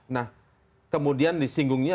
nah kemudian disinggungnya